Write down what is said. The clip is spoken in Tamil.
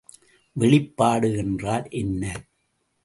வெளிப்பாடு என்றால் என்ன?